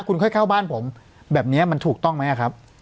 คุณค่อยเข้าบ้านผมแบบนี้มันถูกต้องไหมครับ